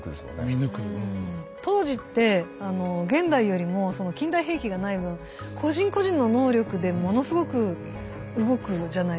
当時って現代よりも近代兵器がない分個人個人の能力でものすごく動くじゃないですか。